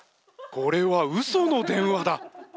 これはウソの電話だ。